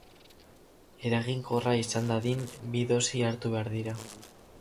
Eraginkorra izan dadin, bi dosi hartu behar dira.